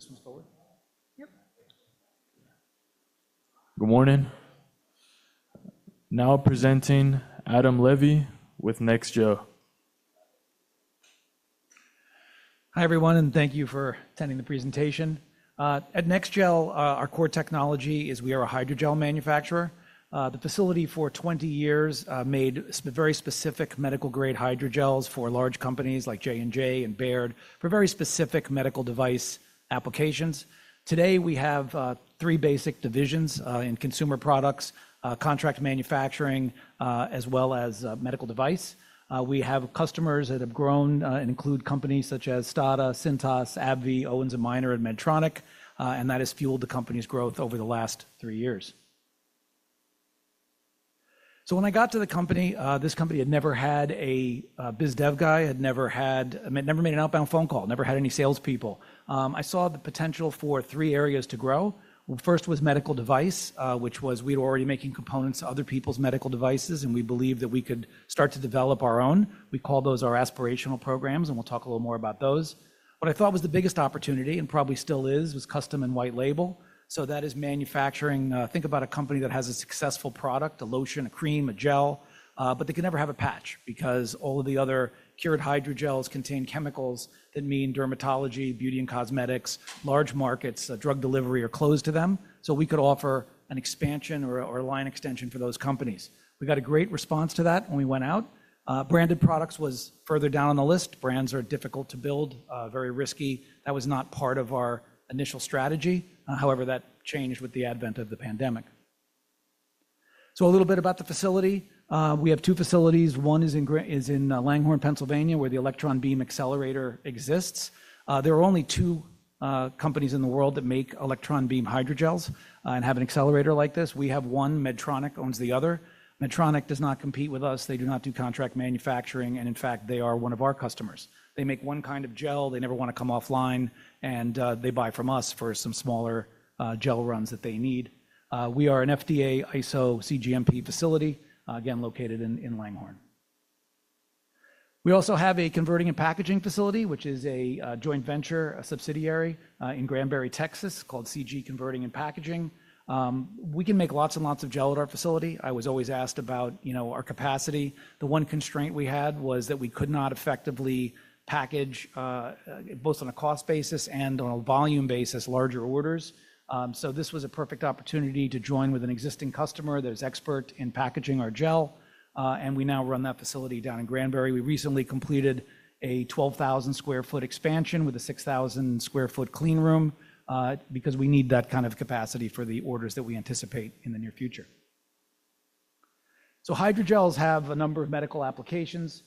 This one's folded? Yep. Good morning. Now presenting Adam Levy, with NEXGEL. Hi, everyone, and thank you for attending the presentation. At NEXGEL, our core technology is we are a hydrogel manufacturer. The facility for 20 years made very specific medical-grade hydrogels, for large companies like J&J and B. Braun, for very specific medical device applications. Today, we have three basic divisions in consumer products, contract manufacturing, as well as medical device. We have customers that have grown and include companies such as STADA, Cintas, AbbVie, Owens & Minor, and Medtronic, and that has fueled the company's growth over the last three years. When I got to the company, this company had never had a biz dev guy, had never made an outbound phone call, never had any salespeople. I saw the potential for three areas to grow. First was medical device, which was we were already making components to other people's medical devices, and we believed that we could start to develop our own. We call those our aspirational programs, and we'll talk a little more about those. What I thought was the biggest opportunity, and probably still is, was custom and white label. That is manufacturing. Think about a company that has a successful product, a lotion, a cream, a gel, but they can never have a patch because all of the other cured hydrogels, contain chemicals that mean dermatology, beauty, and cosmetics. Large markets, drug delivery are closed to them, so we could offer an expansion or a line extension for those companies. We got a great response to that when we went out. Branded products, was further down on the list. Brands, are difficult to build, very risky. That was not part of our initial strategy. However, that changed with the advent of the pandemic. A little bit about the facility. We have two facilities. One is in Langhorne, Pennsylvania, where the electron beam accelerator exists. There are only two companies in the world that make electron beam hydrogels, and have an accelerator like this. We have one. Medtronic, owns the other. Medtronic, does not compete with us. They do not do contract manufacturing, and in fact, they are one of our customers. They make one kind of gel. They never want to come offline, and they buy from us for some smaller gel runs that they need. We are an FDA ISO cGMP facility, again, located in Langhorne. We also have a converting and packaging facility, which is a joint venture, a subsidiary in Granbury, Texas, called CG Converting and Packaging. We can make lots and lots of gel at our facility. I was always asked about our capacity. The one constraint we had was that we could not effectively package both on a cost basis and on a volume basis, larger orders. This was a perfect opportunity to join with an existing customer that is expert in packaging our gel, and we now run that facility down in Granbury. We recently completed a 12,000 sq ft, expansion with a 6,000 sq ft, clean room because we need that kind of capacity for the orders that we anticipate in the near future. Hydrogels, have a number of medical applications.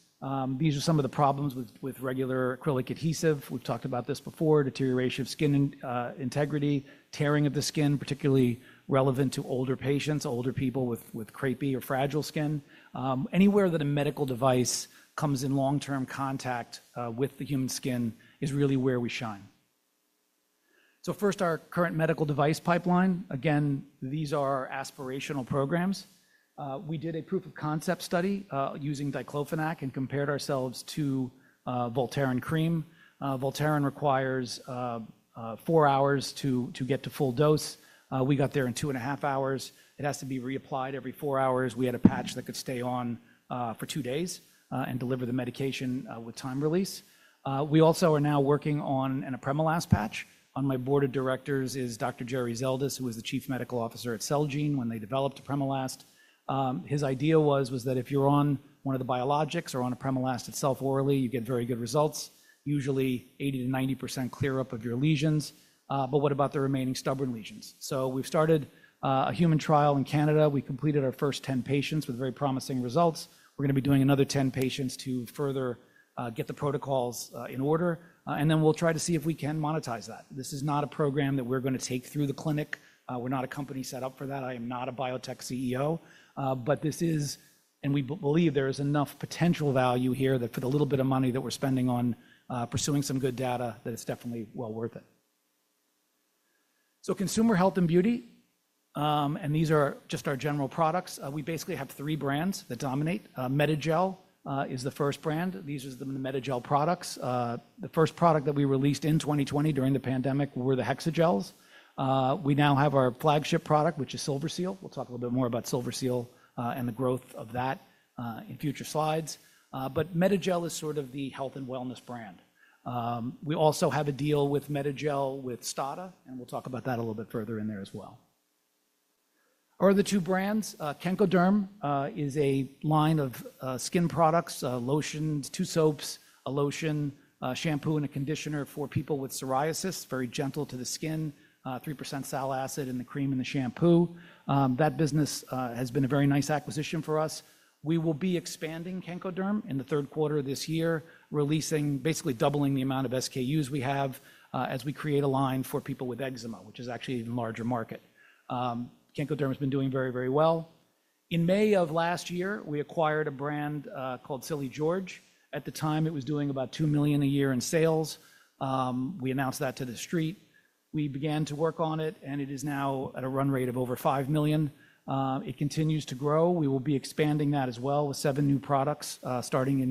These are some of the problems with regular acrylic adhesive. We've talked about this before, deterioration of skin integrity, tearing of the skin, particularly relevant to older patients, older people with crepey or fragile skin. Anywhere that a medical device comes in long-term contact with the human skin is really where we shine. First, our current medical device pipeline. Again, these are aspirational programs. We did a proof of concept study using diclofenac and compared ourselves to Voltaren cream. Voltaren, requires four hours to get to full dose. We got there in two and a half hours. It has to be reapplied every four hours. We had a patch that could stay on for two days and deliver the medication with time release. We also are now working on an Apremilast patch. On my board of directors is Dr. Jerry Zeldis, who was the Chief Medical Officer, at Celgene, when they developed Apremilast. His idea was that if you're on one of the biologics or on Apremilast itself orally, you get very good results, usually 80-90%, clear up of your lesions. What about the remaining stubborn lesions? We've started a human trial in Canada. We completed our first 10 patients with very promising results. We're going to be doing another 10 patients, to further get the protocols in order, and then we'll try to see if we can monetize that. This is not a program that we're going to take through the clinic. We're not a company set up for that. I am not a biotech CEO, but this is, and we believe there is enough potential value here that for the little bit of money that we're spending on pursuing some good data, it's definitely well worth it. Consumer health and beauty, and these are just our general products. We basically have three brands that dominate. MediGel, is the first brand. These are the MediGel products. The first product that we released in 2020, during the pandemic were the HEXAGELS. We now have our flagship product, which is SilverSeal. We will talk a little bit more about SilverSeal, and the growth of that in future slides. MediGel, is sort of the health and wellness brand. We also have a deal with MediGel with STADA, and we will talk about that a little bit further in there as well. For the two brands, Kenkoderm, is a line of skin products, lotions, two soaps, a lotion, shampoo, and a conditioner for people with psoriasis, very gentle to the skin, 3%, salicylic acid, in the cream and the shampoo. That business has been a very nice acquisition for us. We will be expanding Kenkoderm, in the third quarter of this year, releasing, basically doubling the amount of SKUs, we have as we create a line for people with eczema, which is actually an even larger market. Kenkoderm has been doing very, very well. In May of last year, we acquired a brand called Silly George. At the time, it was doing about $2 million a year in sales. We announced that to the street. We began to work on it, and it is now at a run rate of over $5 million. It continues to grow. We will be expanding that as well with seven new products, starting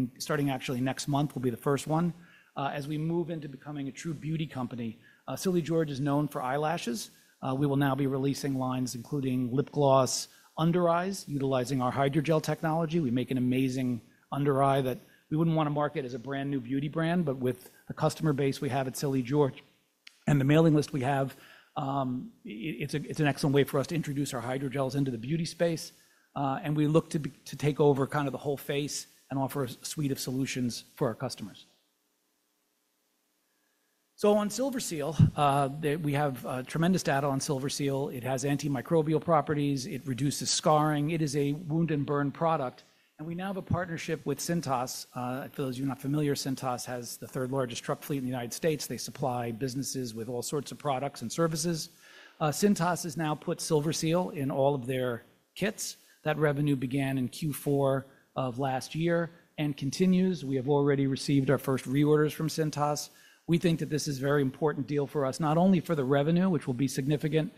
actually next month will be the first one. As we move into becoming a true beauty company, Silly George, is known for eyelashes. We will now be releasing lines including lip gloss, under eyes, utilizing our hydrogel technology. We make an amazing under eye that we wouldn't want to market as a brand new beauty brand, but with the customer base we have at Silly George, and the mailing list we have, it's an excellent way for us to introduce our hydrogels into the beauty space. We look to take over kind of the whole face and offer a suite of solutions for our customers. On SilverSeal, we have tremendous data on SilverSeal. It has antimicrobial properties. It reduces scarring. It is a wound and burn product. We now have a partnership with Cintas. If you're not familiar, Cintas, has the third largest truck fleet in the United States. They supply businesses with all sorts of products and services. Cintas, has now put SilverSeal, in all of their kits. That revenue, began in Q4 of last year and continues. We have already received our first reorders from Cintas. We think that this is a very important deal for us, not only for the revenue, which will be significant,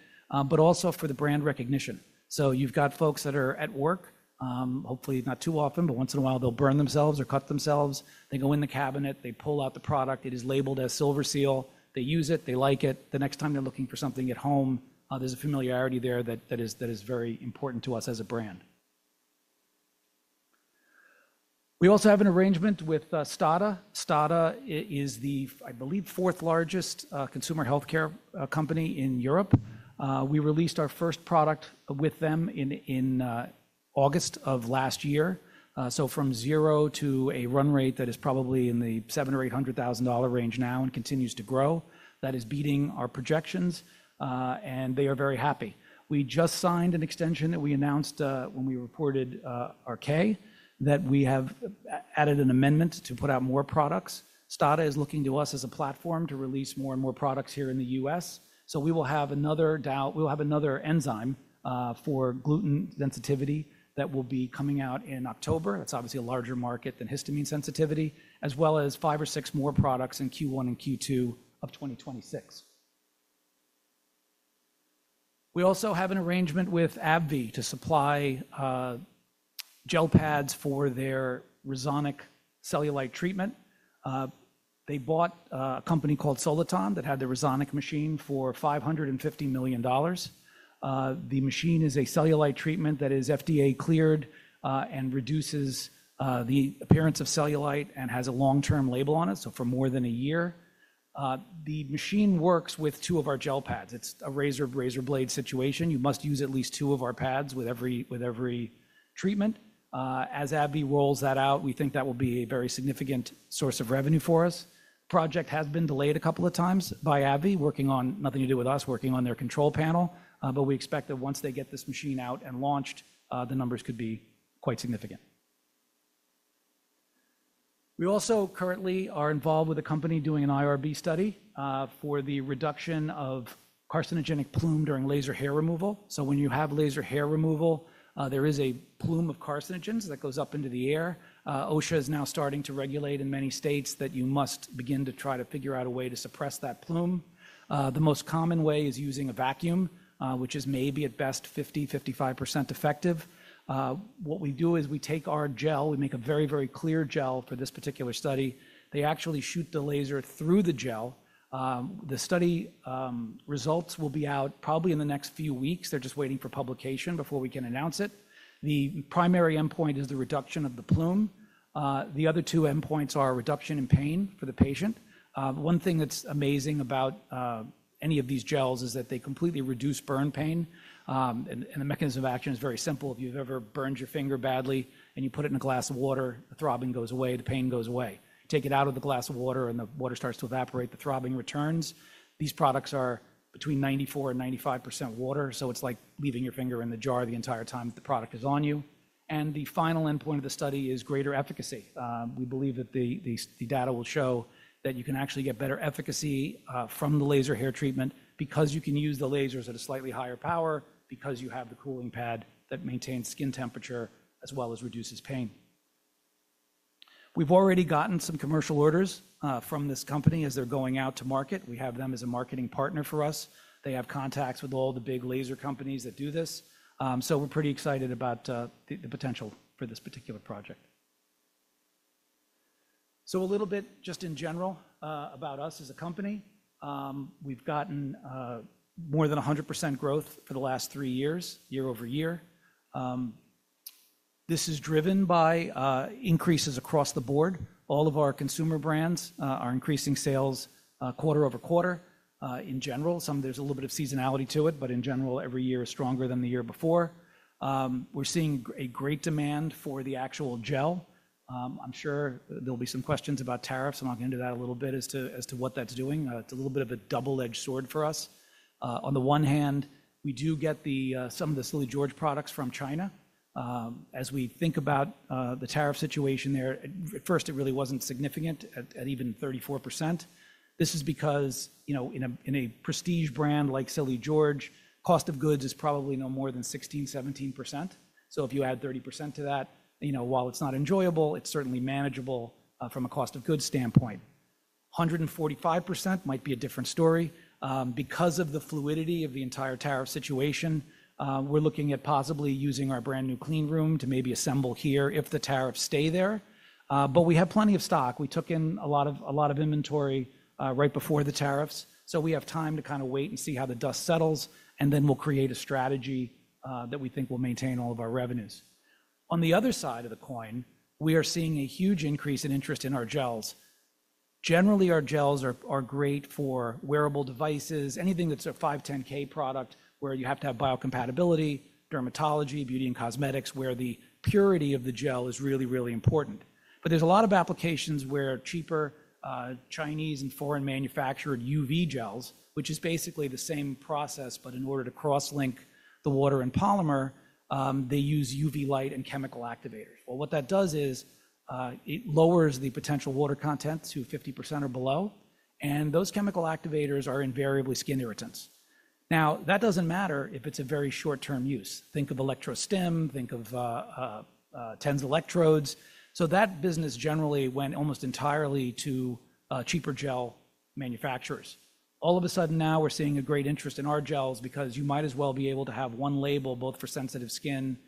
but also for the brand recognition. You have got folks that are at work, hopefully not too often, but once in a while they will burn themselves or cut themselves. They go in the cabinet, they pull out the product. It is labeled as SilverSeal. They use it. They like it. The next time they are looking for something at home, there is a familiarity there that is very important to us as a brand. We also have an arrangement with STADA. STADA is the, I believe, fourth largest consumer healthcare company in Europe. We released our first product with them in August of last year. From zero to a run rate, that is probably in the $700,000-$800,000 range, now and continues to grow. That is beating our projections, and they are very happy. We just signed an extension that we announced when we reported our K, that we have added an amendment to put out more products. STADA, is looking to us as a platform to release more and more products here in the U.S. We will have another enzyme for gluten sensitivity, that will be coming out in October. That is obviously a larger market than histamine sensitivity, as well as five or six more products in Q1 and Q2 of 2026. We also have an arrangement with AbbVie, to supply gel pads for their RESONIC cellulite treatment. They bought a company called Soliton, that had their RESONIC machine, for $550 million. The machine is a cellulite treatment that is FDA cleared, and reduces the appearance of cellulite and has a long-term label on it, so for more than a year. The machine works with two of our gel pads. It's a razor-razor blade situation. You must use at least two of our pads with every treatment. As AbbVie, rolls that out, we think that will be a very significant source of revenue for us. The project has been delayed a couple of times by AbbVie, working on, nothing to do with us, working on their control panel, but we expect that once they get this machine out and launched, the numbers could be quite significant. We also currently are involved with a company doing an IRB study, for the reduction of carcinogenic plume during laser hair removal. When you have laser hair removal, there is a plume of carcinogens that goes up into the air. OSHA, is now starting to regulate in many states that you must begin to try to figure out a way to suppress that plume. The most common way is using a vacuum, which is maybe at best 50-55% effective. What we do is we take our gel, we make a very, very clear gel for this particular study. They actually shoot the laser through the gel. The study results will be out probably in the next few weeks. They are just waiting for publication before we can announce it. The primary endpoint is the reduction of the plume. The other two endpoints are reduction in pain for the patient. One thing that's amazing about any of these gels is that they completely reduce burn pain, and the mechanism of action is very simple. If you've ever burned your finger badly and you put it in a glass of water, the throbbing goes away, the pain goes away. Take it out of the glass of water and the water starts to evaporate, the throbbing returns. These products are between 94% and 95% water, so it's like leaving your finger in the jar the entire time the product is on you. The final endpoint of the study is greater efficacy. We believe that the data will show that you can actually get better efficacy from the laser hair treatment because you can use the lasers at a slightly higher power because you have the cooling pad that maintains skin temperature as well as reduces pain. We've already gotten some commercial orders from this company as they're going out to market. We have them as a marketing partner for us. They have contacts with all the big laser companies that do this. We're pretty excited about the potential for this particular project. A little bit just in general about us as a company. We've gotten more than 100% growth for the last three years, year over year. This is driven by increases across the board. All of our consumer brands are increasing sales quarter over quarter in general. There's a little bit of seasonality to it, but in general, every year is stronger than the year before. We're seeing a great demand for the actual gel. I'm sure there'll be some questions about tariffs, and I'll get into that a little bit as to what that's doing. It's a little bit of a double-edged sword for us. On the one hand, we do get some of the Silly George products, from China. As we think about the tariff situation there, at first, it really wasn't significant at even 34%. This is because in a prestige brand like Silly George, cost of goods, is probably no more than 16-17%. So if you add 30% to that, while it's not enjoyable, it's certainly manageable from a cost of goods standpoint. 145%, might be a different story. Because of the fluidity of the entire tariff situation, we're looking at possibly using our brand new clean room to maybe assemble here if the tariffs stay there. We have plenty of stock. We took in a lot of inventory right before the tariffs. We have time to kind of wait and see how the dust settles, and then we'll create a strategy that we think will maintain all of our revenues. On the other side of the coin, we are seeing a huge increase in interest in our gels. Generally, our gels are great for wearable devices, anything that's a 510(k) product, where you have to have biocompatibility, dermatology, beauty, and cosmetics where the purity of the gel is really, really important. There are a lot of applications where cheaper Chinese and foreign manufactured UV gels, which is basically the same process, but in order to cross-link the water and polymer, they use UV light and chemical activators. What that does is it lowers the potential water content to 50% or below, and those chemical activators are invariably skin irritants. That doesn't matter if it's a very short-term use. Think of electrostim, think of TENS electrodes. That business generally went almost entirely to cheaper gel manufacturers. All of a sudden now we're seeing a great interest in our gels because you might as well be able to have one label both for sensitive skin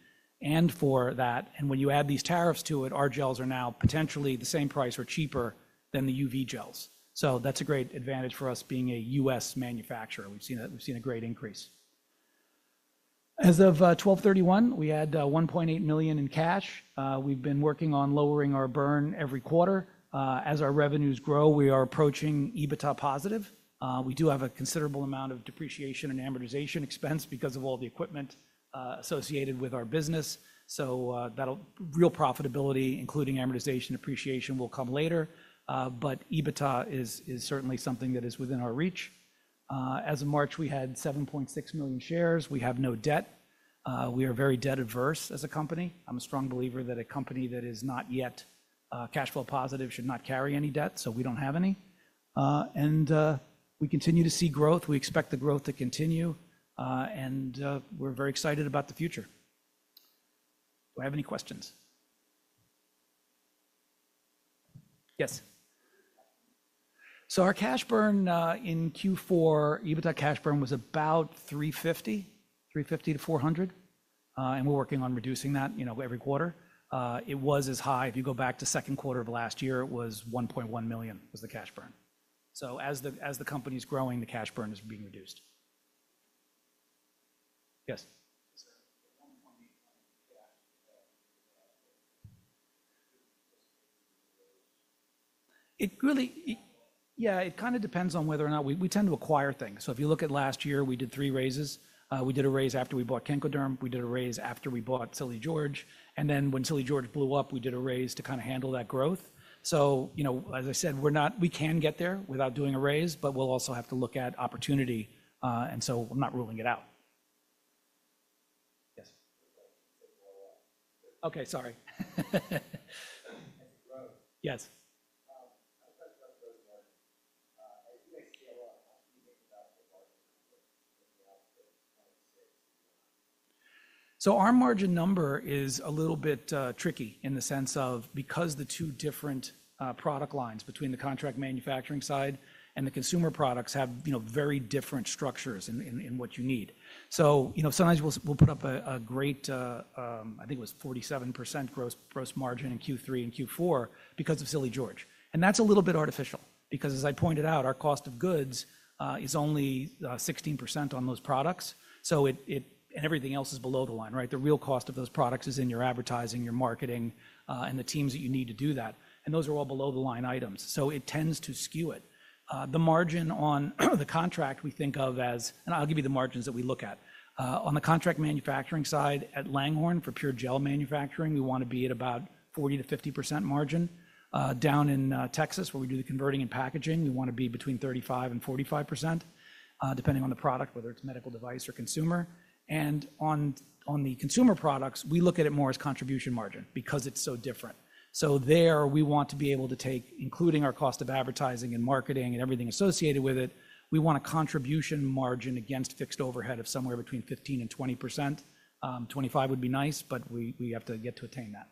and for that. When you add these tariffs to it, our gels are now potentially the same price or cheaper than the UV gels. That's a great advantage for us being a U.S. manufacturer. We've seen a great increase. As of December 31, we had $1.8 million in cash. We've been working on lowering our burn every quarter. As our revenues grow, we are approaching EBITDA positive. We do have a considerable amount of depreciation and amortization expense, because of all the equipment associated with our business. Real profitability, including amortization and depreciation, will come later, but EBITDA, is certainly something that is within our reach. As of March, we had 7.6 million shares. We have no debt. We are very debt-averse as a company. I'm a strong believer that a company that is not yet cash flow, positive should not carry any debt, so we don't have any. We continue to see growth. We expect the growth to continue, and we're very excited about the future. Do I have any questions? Yes. Our cash burn in Q4, EBITDA cash burn, was about $350,000-$400,000, and we're working on reducing that every quarter. It was as high, if you go back to second quarter of last year, it was $1.1 million, was the cash burn. As the company's growing, the cash burn is being reduced. Yes. Yeah, it kind of depends on whether or not we tend to acquire things. If you look at last year, we did three raises. We did a raise after we bought Kenkoderm. We did a raise dfter we bought Silly George. When Silly George blew up, we did a raise to kind of handle that growth. As I said, we can get there without doing a raise, but we'll also have to look at opportunity. I'm not ruling it out. Yes. Okay, sorry. Yes. I think I see a lot of margin numbers in the output 26. Our margin number is a little bit tricky in the sense of because the two different product lines between the contract manufacturing side and the consumer products have very different structures in what you need. Sometimes we'll put up a great, I think it was 47%, gross margin. in Q3 and Q4 because of Silly George. That's a little bit artificial because as I pointed out, our cost of goods is only 16%, on those products. Everything else is below the line, right? The real cost of those products is in your advertising, your marketing, and the teams that you need to do that. Those are all below the line items. It tends to skew it. The margin on the contract we think of as, and I'll give you the margins that we look at. On the contract manufacturing side at Langhorne for pure gel manufacturing, we want to be at about 40-50% margin. Down in Texas, where we do the converting and packaging, we want to be between 35-45%, depending on the product, whether it's medical device or consumer. On the consumer products, we look at it more as contribution margin because it's so different. There, we want to be able to take, including our cost of advertising and marketing and everything associated with it, we want a contribution margin against fixed overhead of somewhere between 15-20%. 25%, would be nice, but we have to get to attain that.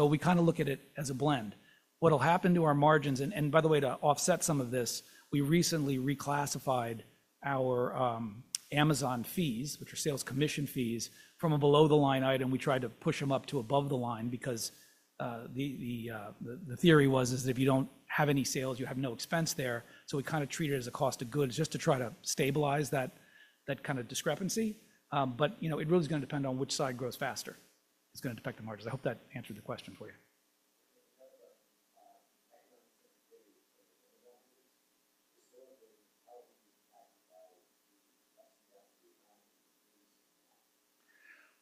We kind of look at it as a blend. What'll happen to our margins? By the way, to offset some of this, we recently reclassified our Amazon fees, which are sales commission fees, from a below-the-line item. We tried to push them up to above the line because the theory was that if you do not have any sales, you have no expense there. So we kind of treat it as a cost of goods just to try to stabilize that kind of discrepancy. It really is going to depend on which side grows faster. It is going to affect the margins. I hope that answered the question for you.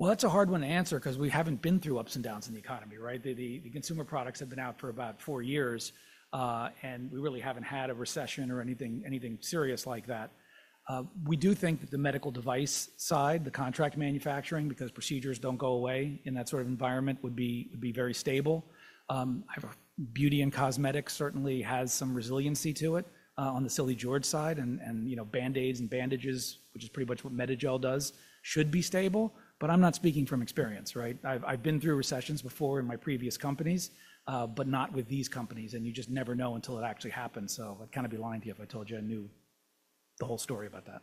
That is a hard one to answer because we have not been through ups and downs in the economy, right? The consumer products have been out for about four years, and we really have not had a recession or anything serious like that. We do think that the medical device side, the contract manufacturing, because procedures do not go away in that sort of environment, would be very stable. Beauty and cosmetics, certainly has some resiliency to it on the Silly George side. Band-Aids and bandages, which is pretty much what Medigel does, should be stable. I am not speaking from experience, right? I have been through recessions before in my previous companies, but not with these companies, and you just never know until it actually happens. I would kind of be lying to you if I told you I knew the whole story about that.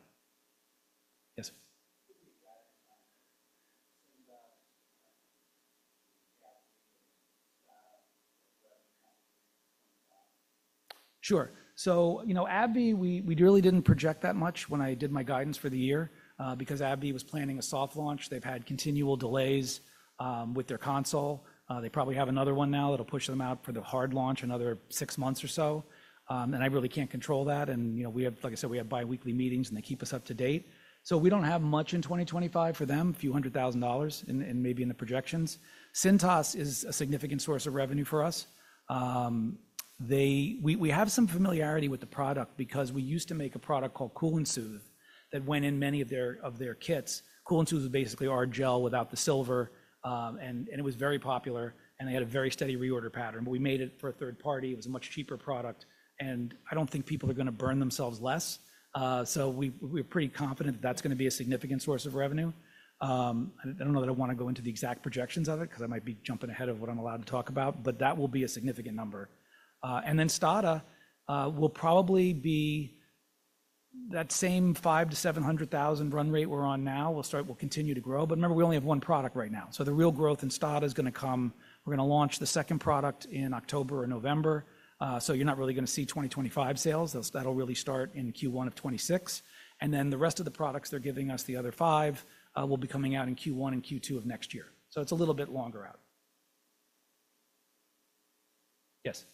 Yes. Sure. AbbVie, we really did not project that much when I did my guidance for the year because AbbVie, was planning a soft launch. They have had continual delays with their console. They probably have another one now that will push them out for the hard launch another six months or so. I really cannot control that. Like I said, we have bi-weekly meetings, and they keep us up to date. We do not have much in 2025 for them, a few hundred thousand dollars maybe in the projections. Cintas, is a significant source of revenue for us. We have some familiarity with the product because we used to make a product called Cool and Soothe, that went in many of their kits. Cool and Soothe, was basically our gel without the silver, and it was very popular, and they had a very steady reorder pattern. We made it for a third party. It was a much cheaper product, and I do not think people are going to burn themselves less. We are pretty confident that that is going to be a significant source of revenue. I do not know that I want to go into the exact projections of it because I might be jumping ahead of what I am allowed to talk about, but that will be a significant number. STADA, will probably be that same $500,000-$700,000 run rate we're on now. We'll continue to grow. Remember, we only have one product right now. The real growth in STADA, is going to come. We're going to launch the second product in October or November. You're not really going to see 2025 sales. That'll really start in Q1 of 2026. The rest of the products they're giving us, the other five, will be coming out in Q1 and Q2 of next year. It's a little bit longer out. Yes.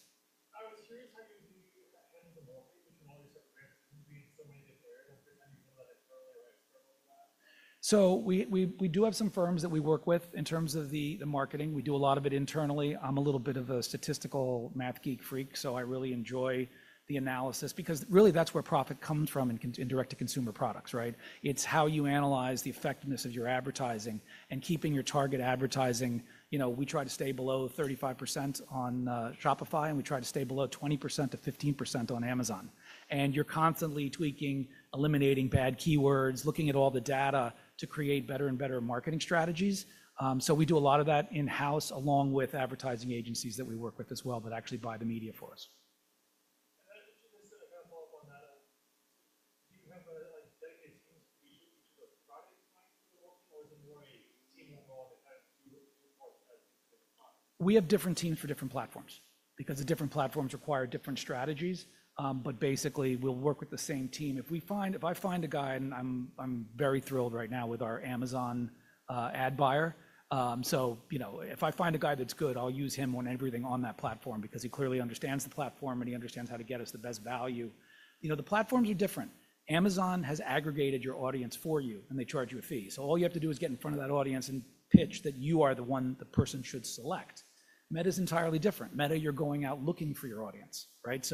I was curious how you would be ahead of the market with all these different brands because there's going to be so many different brands. I'm just wondering whether it's early or extremely early. We do have some firms that we work with in terms of the marketing. We do a lot of it internally. I'm a little bit of a statistical math geek freak, so I really enjoy the analysis because really that's where profit comes from in direct-to-consumer products, right? It's how you analyze the effectiveness of your advertising and keeping your target advertising. We try to stay below 35%, on Shopify, and we try to stay below 15%-20%, on Amazon. You're constantly tweaking, eliminating bad keywords, looking at all the data to create better and better marketing strategies. We do a lot of that in-house along with advertising agencies that we work with as well that actually buy the media for us. Can I just kind of follow up on that? Do you have a dedicated team for each of the products you're working on, or is it more a team overall that kind of does different products at a different time? We have different teams for different platforms because the different platforms require different strategies. Basically, we'll work with the same team. If I find a guy, and I'm very thrilled right now with our Amazon ad buyer. If I find a guy that's good, I'll use him on everything on that platform because he clearly understands the platform and he understands how to get us the best value. The platforms are different. Amazon, has aggregated your audience for you, and they charge you a fee. All you have to do is get in front of that audience and pitch that you are the one the person should select. Meta, is entirely different. Meta, you're going out looking for your audience, right?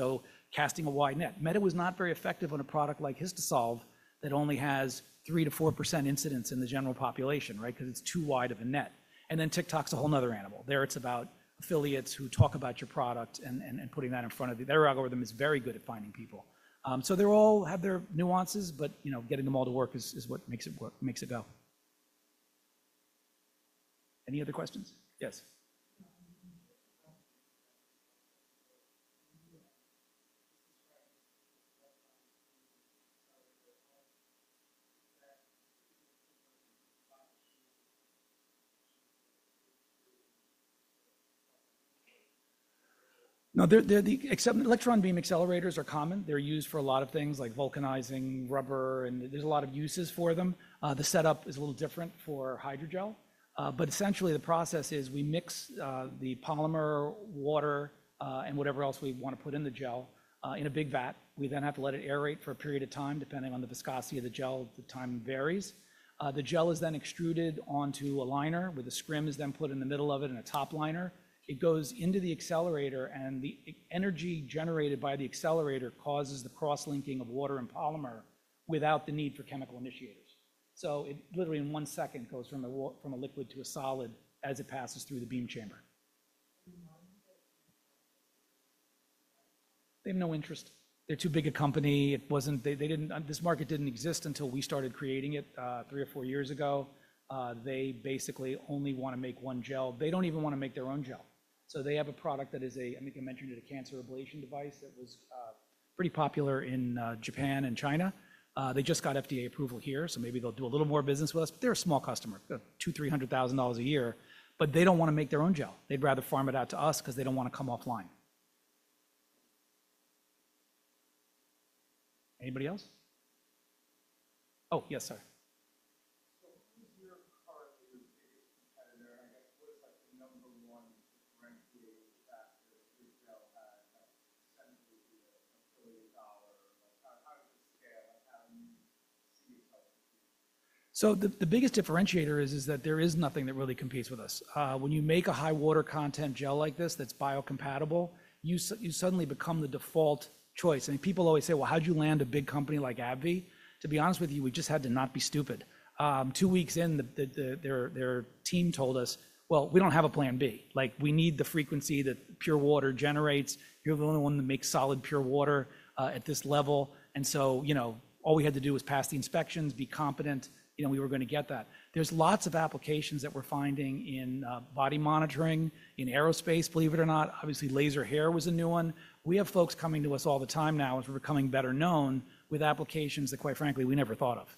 Casting a wide net. Meta was not very effective on a product like HistaSolve, that only has 3-4%, incidence in the general population, right? Because it's too wide of a net. TikTok's a whole nother animal. There it's about affiliates who talk about your product and putting that in front of you. Their algorithm is very good at finding people. They all have their nuances, but getting them all to work is what makes it go. Any other questions? Yes. No, the electron beam accelerators are common. They're used for a lot of things like vulcanizing rubber, and there's a lot of uses for them. The setup is a little different for hydrogel. Essentially, the process is we mix the polymer, water, and whatever else we want to put in the gel in a big vat. We then have to let it aerate for a period of time, depending on the viscosity of the gel. The time varies. The gel is then extruded onto a liner where the scrim is then put in the middle of it in a top liner. It goes into the accelerator, and the energy generated by the accelerator causes the cross-linking of water and polymer without the need for chemical initiators. It literally in one second goes from a liquid to a solid as it passes through the beam chamber. They have no interest. They're too big a company. This market did not exist until we started creating it three or four years ago. They basically only want to make one gel. They do not even want to make their own gel. They have a product that is a, I think I mentioned it, a cancer ablation device that was pretty popular in Japan and China. They just got FDA approval here, so maybe they will do a little more business with us. They are a small customer, $2,000-$300,000 a year. They do not want to make their own gel. They would rather farm it out to us because they do not want to come offline. Anybody else? Oh, yes, sorry. Who is your current biggest competitor? I guess what is the number one differentiating factor that your gel has that essentially is a trillion dollar? How does it scale? How do you see itself competing? The biggest differentiator is that there is nothing that really competes with us. When you make a high water content gel like this that's biocompatible, you suddenly become the default choice. People always say, "Well, how'd you land a big company like AbbVie?" To be honest with you, we just had to not be stupid. Two weeks in, their team told us, "Well, we don't have a plan B. We need the frequency that pure water generates. You're the only one that makes solid pure water at this level." All we had to do was pass the inspections, be competent. We were going to get that. There are lots of applications that we're finding in body monitoring, in aerospace, believe it or not. Obviously, laser hair was a new one. We have folks coming to us all the time now as we're becoming better known with applications that, quite frankly, we never thought of.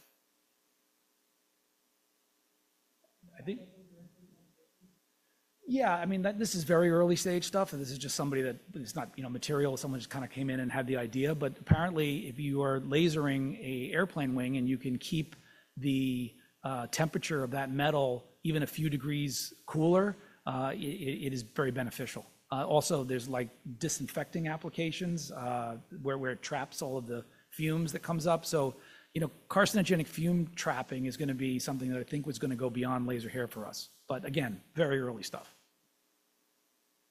Yeah, I mean, this is very early stage stuff. This is just somebody that it's not material. Someone just kind of came in and had the idea. Apparently, if you are lasering an airplane wing and you can keep the temperature of that metal even a few degrees cooler, it is very beneficial. Also, there are disinfecting applications where it traps all of the fumes that come up. Carcinogenic fume trapping, is going to be something that I think was going to go beyond laser hair for us. Again, very early stuff.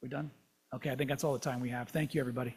We're done? Okay, I think that's all the time we have. Thank you, everybody.